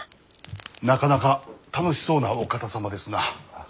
なかなか楽しそうなお方様ですな。